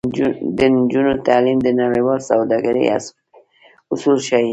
د نجونو تعلیم د نړیوال سوداګرۍ اصول ښيي.